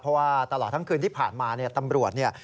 เพราะว่าตลอดทั้งคืนที่ผ่านมาเนี่ยตำรวจเนี่ย